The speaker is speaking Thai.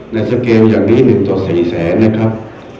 สเกลอย่างนี้๑ต่อ๔แสนนะครับ